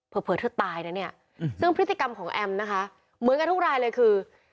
เผลอเธอตายนะเนี่ยซึ่งพฤติกรรมของแอมนะคะเหมือนกันทุกรายเลยคือ